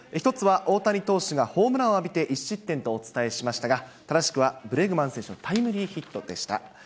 １つは大谷投手がホームランを浴びて１失点とお伝えしましたが、正しくは選手のタイムリーヒットでした。